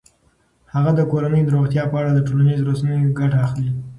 هغه د کورنۍ د روغتیا په اړه د ټولنیزو رسنیو ګټه اخلي.